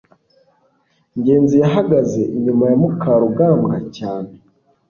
ngenzi yahagaze inyuma ya mukarugambwa cyane